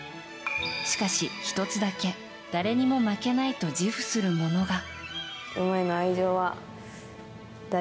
しかし、１つだけ誰にも負けないと自負するものが。